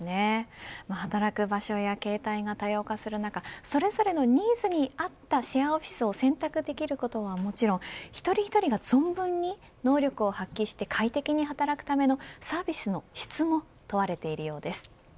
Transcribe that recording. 働く場所や形態が多様化する中それぞれのニーズに合ったシェアオフィスを選択できることはもちろん一人一人が存分に能力を発揮して快適に働くためのサービスの質も問われているようです。